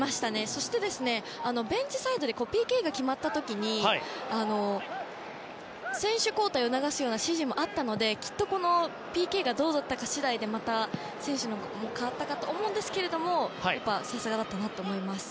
そして、ベンチサイドでＰＫが決まった時に選手交代を促すような指示もあったのできっとＰＫがどうだったか次第で選手が代わったかと思うんですけどさすがだったなと思います。